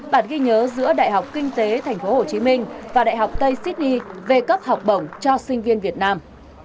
bản ghi nhớ giữa đại học kinh tế tp hcm và đại học tây sydney về cấp học bổng cho sinh viên việt nam